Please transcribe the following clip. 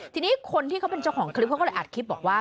ทีนี้คนที่เขาเป็นเจ้าของคลิปเขาก็เลยอัดคลิปบอกว่า